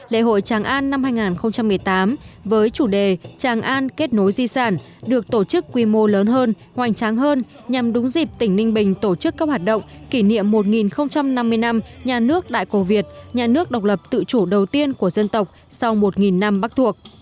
lễ hội tràng an năm hai nghìn một mươi tám với chủ đề tràng an kết nối di sản được tổ chức quy mô lớn hơn hoành tráng hơn nhằm đúng dịp tỉnh ninh bình tổ chức các hoạt động kỷ niệm một năm mươi năm nhà nước đại cổ việt nhà nước độc lập tự chủ đầu tiên của dân tộc sau một năm bắc thuộc